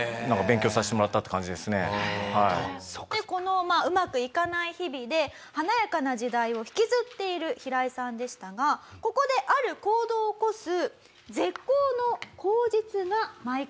このうまくいかない日々で華やかな時代を引きずっているヒライさんでしたがここである行動を起こす絶好の口実が舞い込んできます。